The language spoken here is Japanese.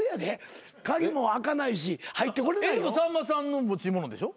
さんまさんの持ち物でしょ？